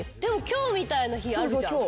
今日みたいな日あるじゃん。